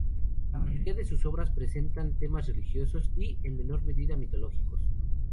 La mayoría de sus obras representan temas religiosos y, en menor medida, mitológicos.